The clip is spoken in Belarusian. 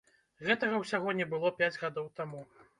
Гэтага ўсяго не было пяць гадоў таму.